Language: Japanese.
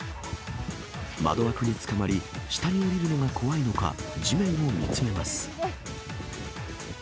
窓枠につかまり、下に下りるのが怖いのか、地面を見つめます。